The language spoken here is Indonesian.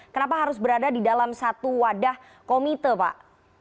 kenapa harus berada di dalam satu wadah komite pak